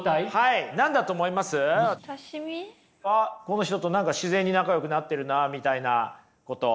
この人と何か自然に仲よくなってるなみたいなこと。